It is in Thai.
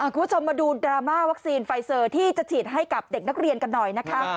คุณผู้ชมมาดูดราม่าวัคซีนไฟเซอร์ที่จะฉีดให้กับเด็กนักเรียนกันหน่อยนะคะ